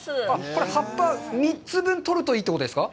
これ葉っぱ３つ分取るといいということですか？